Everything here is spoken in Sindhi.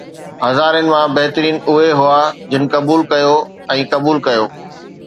ھزارين مان بھترين اھي ھئا جن قبول ڪيو ۽ قبول ڪيو